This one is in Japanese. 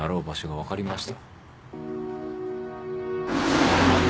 分かりました。